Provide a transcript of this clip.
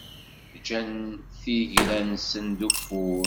Ǧǧan tigra-nsen d ufur.